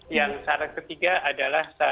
yang saran ketiga adalah